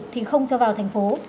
thì không cho vào tp cn